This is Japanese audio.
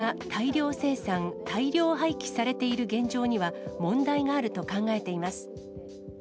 エリさんは、洋服が大量生産、大量廃棄されている現状には、問題があると考えています。